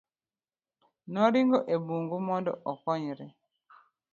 noringo e bungu mondo okonyre